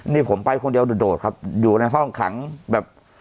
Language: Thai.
นี่ผมไปคนเดียวโดดครับอยู่ในห้องขังแบบ